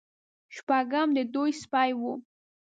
شپږم د دوی سپی و.